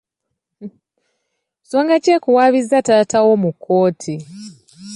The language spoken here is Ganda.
Nsonga ki ekuwaabizza taata wo mu kkooti?